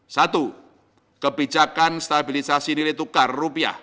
satu kebijakan stabilisasi nilai tukar rupiah